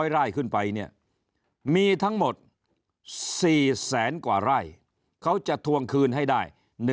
ไร่ขึ้นไปเนี่ยมีทั้งหมด๔แสนกว่าไร่เขาจะทวงคืนให้ได้